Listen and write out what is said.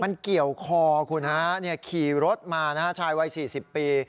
มันเกี่ยวคอคุณฮะเนี่ยขี่รถมานะฮะชายวัยสี่สิบปี